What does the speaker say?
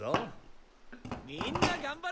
みんながんばれ！